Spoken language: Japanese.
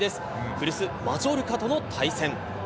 古巣、マジョルカとの対戦。